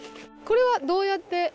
これはどうやって？